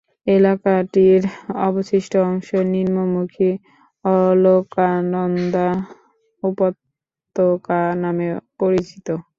এলাকাটির অবশিষ্ট অংশ নিম্নমুখী অলকানন্দা উপত্যকা নামে পরিচিত।